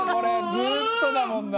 ずっとだもんな」